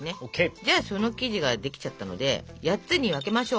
じゃあその生地ができちゃったので８つに分けましょう。